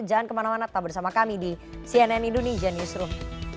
jangan kemana mana tetap bersama kami di cnn indonesia newsroom